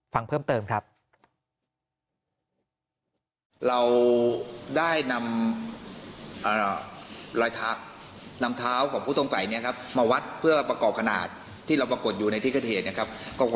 ฟังเพิ่มเติมครับ